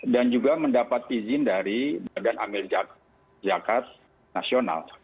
dan juga mendapat izin dari badan amil jakarta nasional